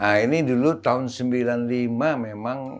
nah ini dulu tahun sembilan puluh lima memang